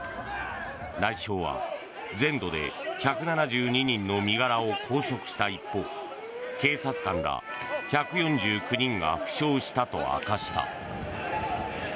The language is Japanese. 内相は、全土で１７２人の身柄を拘束した一方警察官ら１４９人が負傷したと明かした。